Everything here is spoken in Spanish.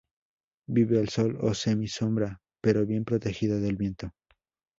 Vive al sol o semi sombra pero bien protegida del viento.